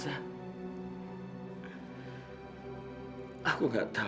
sita tidak bisa melakukan apa apa lagi